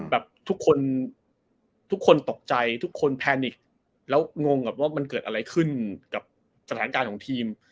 แบบทุกคนทุกคนตกใจทุกคนแพนิกแล้วงงว่ามันเกิดอะไรขึ้นกับสถานการณ์ของทีม